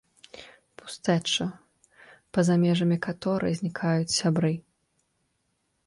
Пустэча, паза межамі каторай знікаюць сябры.